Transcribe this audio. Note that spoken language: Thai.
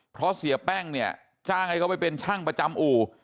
เพราะเสี่ยแป้งก็เป็นช่างประจำอู